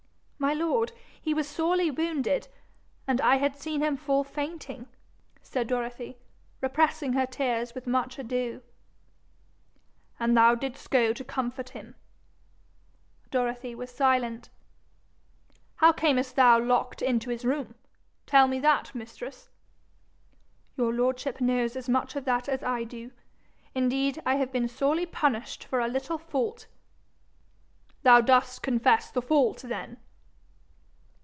'My lord, he was sorely wounded, and I had seen him fall fainting,' said Dorothy, repressing her tears with much ado. 'And thou didst go to comfort him?' Dorothy was silent. 'How camest thou locked into his room? Tell me that, mistress.' 'Your lordship knows as much of that as I do. Indeed, I have been sorely punished for a little fault.' 'Thou dost confess the fault then?'